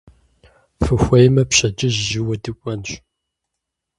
Фыхуеймэ, пщэдджыжь жьыуэ дыкӀуэнщ.